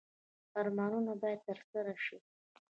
ارمانونه باید ترسره شي